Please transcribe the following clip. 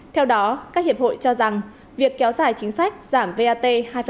theo đó các hiệp hội cho rằng việc kéo dài chính sách giảm vat hai